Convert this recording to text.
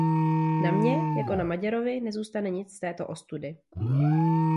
Na mně, jako na Maďarovi, nezůstane nic z této ostudy.